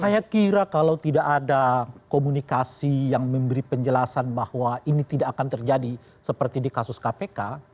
saya kira kalau tidak ada komunikasi yang memberi penjelasan bahwa ini tidak akan terjadi seperti di kasus kpk